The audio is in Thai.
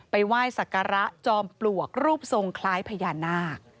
ไหว้สักการะจอมปลวกรูปทรงคล้ายพญานาค